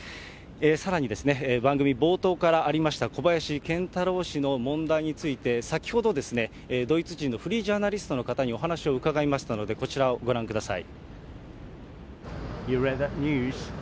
さらにですね、番組冒頭からありました、小林賢太郎氏の問題について、先ほどですね、ドイツ人のフリージャーナリストの方にお話を伺いましたので、こちらをご覧ください。